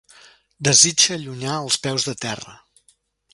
Desitja allunyar els peus de terra.